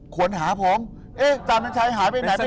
ควรหาผมเอ๊ะจำเป็นชายหายไปไหน